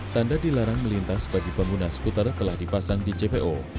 tanda dilarang melintas bagi pengguna skuter telah dipasang di jpo